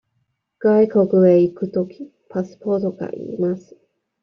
外国へ行くとき、パスポートが要ります。